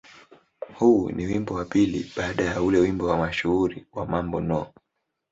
Huu ni wimbo wa pili baada ya ule wimbo mashuhuri wa "Mambo No.